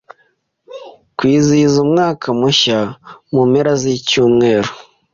kwizihiza umwaka mushya mu mpera z'iki cyumweru